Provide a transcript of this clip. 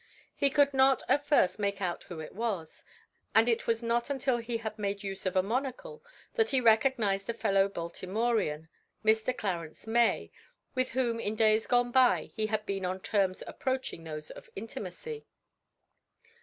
He could not at first make out who it was and it was not until he had made use of a monocle that he recognized a fellow Baltimorean, Mr. Clarence May, with whom in days gone by he had been on terms approaching those of intimacy.